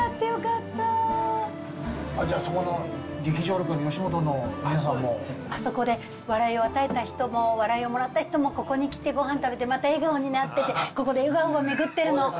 じゃあ、そこの劇場の、よしあそこで笑いを与えた人も、笑いをもらった人も、ここに来て、ごはん食べて、笑顔になって、ここで笑顔が巡ってるの。